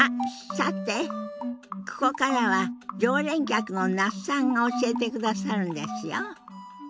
さてここからは常連客の那須さんが教えてくださるんですよ。